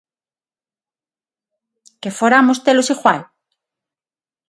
¿Que foramos telos igual?